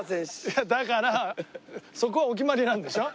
いやだからそこはお決まりなんでしょ？